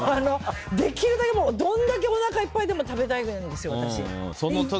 できるだけどれだけおなかがいっぱいでも食べたいタイプなんですよ、私。